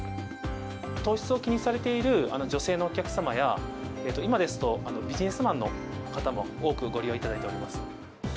糖質を気にされている女性のお客様や、今ですと、ビジネスマンの方も多くご利用いただいております。